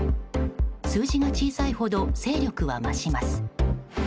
数字が小さいほど勢力は増します。